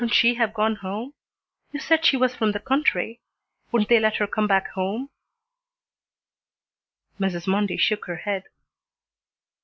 "Couldn't she have gone home? You said she was from the country. Wouldn't they let her come back home?" Mrs. Mundy shook her head.